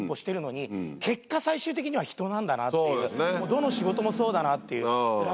どの仕事もそうだなっていう。